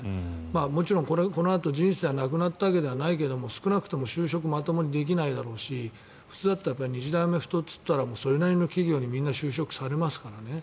もちろんこのあとの人生がなくなったわけではないけど少なくとも就職はまともにできないだろうし普通だったら日大アメフトっていったらそれなりの企業にみんな就職されますからね。